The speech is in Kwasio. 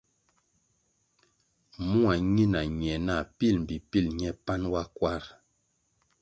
Mua ñina ñe nah pil mbpi pil ñe panʼ wa kwarʼ.